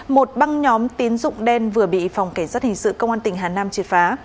một băng nhóm tín dụng đen vừa bị phòng cảnh sát hình sự công an tỉnh hà nam triệt phá